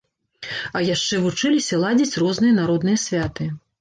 А яшчэ вучыліся ладзіць розныя народныя святы.